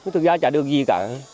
thực ra chả được gì cả